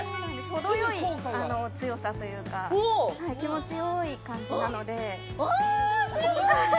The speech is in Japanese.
程よい強さというか気持ちよい感じなのであすごい！